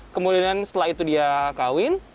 kemudian setelah itu dia kawin